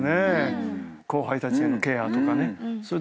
後輩たちへのケアとかね。